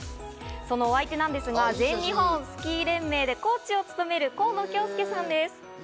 そのお相手なんですが、全日本スキー連盟でコーチを務める河野恭介さんです。